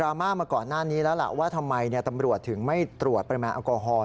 มาก่อนหน้านี้แล้วล่ะว่าทำไมตำรวจถึงไม่ตรวจปริมาณแอลกอฮอล์